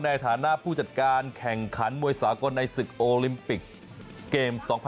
ในฐานะผู้จัดการแข่งขันมวยสากลในศึกโอลิมปิกเกม๒๐๑๖